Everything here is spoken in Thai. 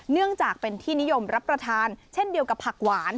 เนื่องจากเป็นที่นิยมรับประทานเช่นเดียวกับผักหวาน